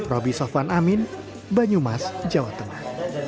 roby sofwan amin banyumas jawa tengah